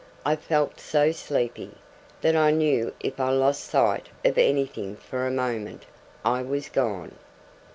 I felt so sleepy, that I knew if I lost sight of anything for a moment, I was gone.